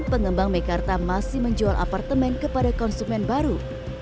pengembang mekarta masih menjual apartemen kepada konsumen baru